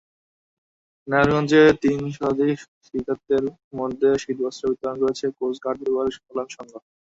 নারায়ণগঞ্জে তিন শতাধিক শীতার্তের মধ্যে শীতবস্ত্র বিতরণ করেছে কোস্টগার্ড পরিবার কল্যাণ সংঘ।